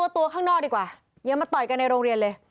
ตัวข้างนอกดีกว่าอย่ามาต่อยกันในโรงเรียนเลย